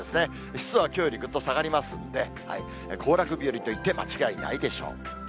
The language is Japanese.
湿度はきょうよりぐっと下がりますんで、行楽日和といって間違いないでしょう。